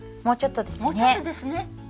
もうちょっとですね。